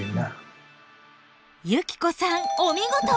由希子さんお見事！